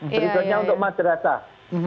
sebenarnya untuk madrasah